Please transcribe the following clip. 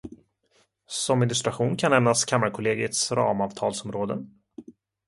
Som illustration kan nämnas Kammarkollegiets ramavtalsområde.